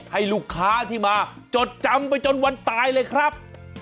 ให้ลูกค้าที่มาจดจำไปจนวันตายเลยครับ